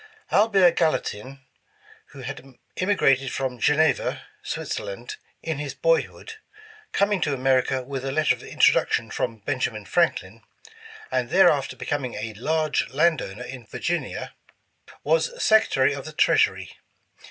Albert Gallatin, who had immigrated from Geneva, Switzer land, in his boyhood, coming to America with a letter of introduction from Benjamin Franklin, and thereafter becoming a large land owner in Virginia, was Secretary of the Treasury.